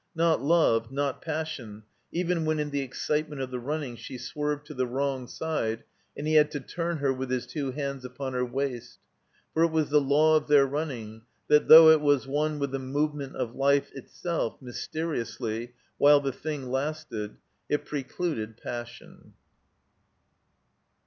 Not love, not passion, even when in the excitement of the running she swerved to the wrong side and he had to turn her with his two hands upon her waist. For it was the law of their running that, though it was one with the movement of life itself, mysteri otisly, while the thing lasted, it precluded passion.